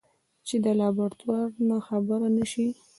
چې د لابراتوار نه خبره نشي.